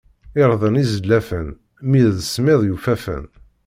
Irden izellafen, mmi d ssmid yufafen.